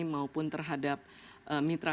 maupun terhadap mitra